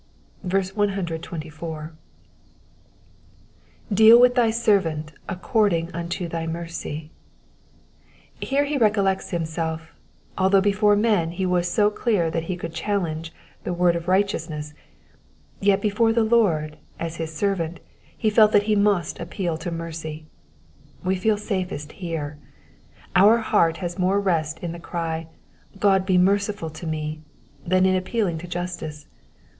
124. ^^Deal with thy servant according unto thy merey,'*^ Here he recol lects himself : although before men he was so clear that he could challenge the word of righteousness, yet before the Lord, as his servant, he felt that he must appeal to mercy. We feel safest here. Our heart has more rest in the cry, ^^ God be merciful to me," than in appealing to justice.